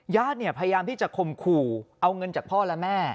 ญาติพยายามที่จะข่มขู่เอาเงินจากพ่อและแม่